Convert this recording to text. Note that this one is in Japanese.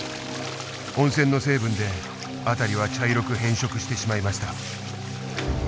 温泉の成分で辺りは茶色く変色してしまいました。